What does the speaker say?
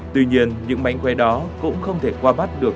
tuy nhiên những mảnh quay đó cũng không thể qua bắt được